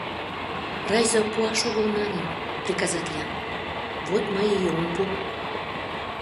Райзо пуаш огыл манын приказатлен, вот мый и ом пу.